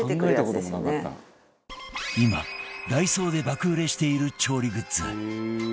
今 ＤＡＩＳＯ で爆売れしている調理グッズ